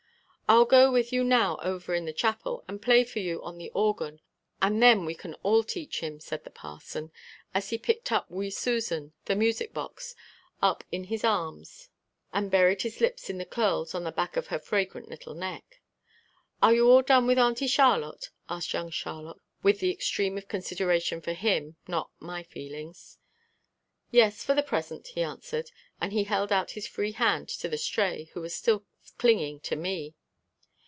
"I'll go with you now over in the chapel and play for you on the organ and then we can all teach him," said the parson, and he picked wee Susan, the music box, up in his arms and buried his lips in the curls on the back of her fragrant little neck. "Are you all done with Auntie Charlotte?" asked young Charlotte, with the extreme of consideration for him, not for my feelings. "Yes, for the present," he answered, and he held out his free hand to the Stray, who was still clinging to me.